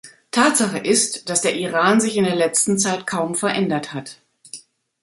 Tatsache ist, dass der Iran sich in der letzten Zeit kaum verändert hat.